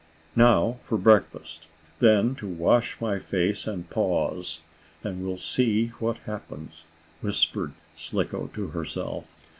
"Now for breakfast, then to wash my face and paws, and we'll see what happens," whispered Slicko to herself.